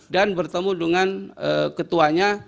dan bertemu dengan ketuanya